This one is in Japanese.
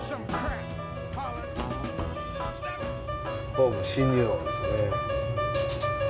ホーム進入音ですね。